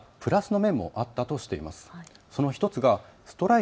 ただプラス面もあったとしています。